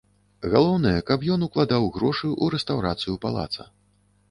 Галоўнае, каб ён укладаў грошы ў рэстаўрацыю палаца.